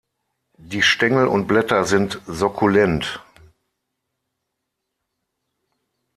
Die Stängel und Blätter sind sukkulent.